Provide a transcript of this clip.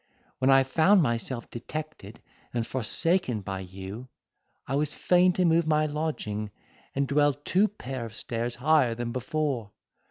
When I found myself detected and forsaken by you, I was fain to move my lodging, and dwell two pair of stairs higher than before.